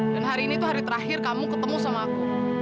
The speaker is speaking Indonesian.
dan hari ini tuh hari terakhir kamu ketemu sama aku